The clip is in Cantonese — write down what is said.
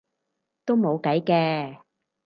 都冇計嘅